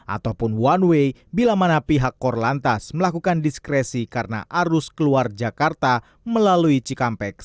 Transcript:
ataupun one way bila mana pihak korlantas melakukan diskresi karena arus keluar jakarta melalui cikampek